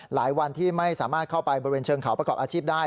วันที่ไม่สามารถเข้าไปบริเวณเชิงเขาประกอบอาชีพได้